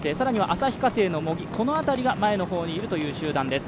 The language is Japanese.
旭化成の茂木が前の方にいるという集団です。